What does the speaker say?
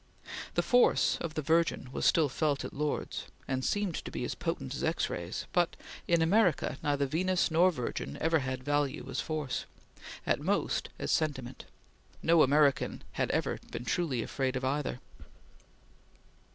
The force of the Virgin was still felt at Lourdes, and seemed to be as potent as X rays; but in America neither Venus nor Virgin ever had value as force at most as sentiment. No American had ever been truly afraid of either.